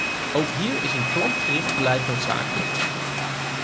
Ook hier is een klantgericht beleid noodzakelijk.